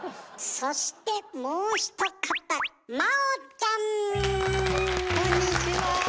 そしてもう一方。